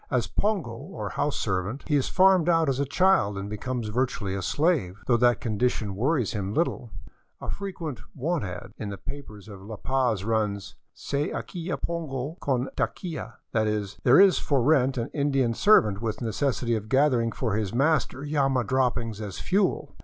As pongo, or house servant, he is farmed out as a child and becomes virtually a slave, — though that condition wor ries him little. A frequent " want ad." in the papers of La Paz runs :*'* Se alquila pongo con taquia," that is, there is for rent an Indian serv ant with necessity of gathering for his master llama droppings as fuel.